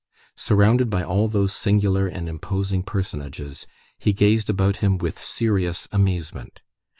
Surrounded by all those singular and imposing personages, he gazed about him with serious amazement.